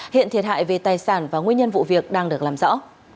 hiện thiệt hại về tài sản và nguyên nhân vụ việc đang được làm rõ